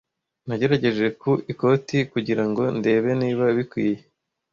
nagerageje ku ikoti kugira ngo ndebe niba bikwiye.